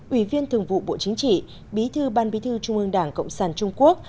ủy viên thường vụ bộ chính trị bí thư ban bí thư trung ương đảng cộng sản trung quốc